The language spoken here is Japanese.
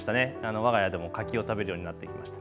わが家でも柿を食べるようになってきました。